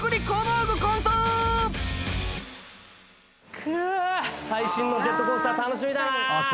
くぅっ最新のジェットコースター楽しみだなぁ。